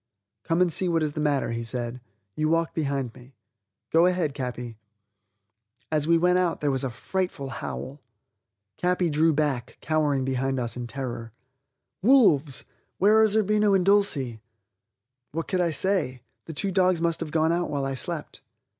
"Come and see what is the matter," he said; "you walk behind me. Go ahead, Capi." As we went out there was a frightful howl. Capi drew back, cowering behind us in terror. "Wolves! Where are Zerbino and Dulcie?" What could I say? The two dogs must have gone out while I slept.